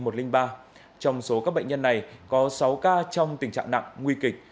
trong số các bệnh nhân này có sáu ca trong tình trạng nặng nguy kịch